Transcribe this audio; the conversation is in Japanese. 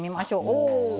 お！